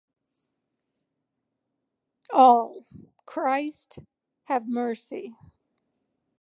All: Christ, have mercy.